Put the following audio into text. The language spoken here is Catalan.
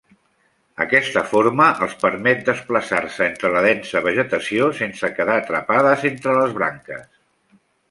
Aquesta forma els permet desplaçar-se entre la densa vegetació sense quedar atrapades entre les branques.